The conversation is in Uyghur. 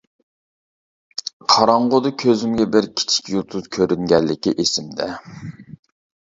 قاراڭغۇدا كۆزۈمگە بىر كىچىك يۇلتۇز كۆرۈنگەنلىكى ئېسىمدە.